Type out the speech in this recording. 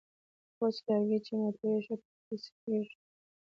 وچ لرگی چې ماتوې، ښه ټس یې خېژي.